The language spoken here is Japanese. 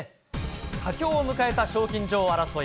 佳境を迎えた賞金女王争い。